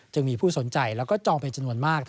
จึงมีผู้สนใจแล้วก็จองเป็นจำนวนมาก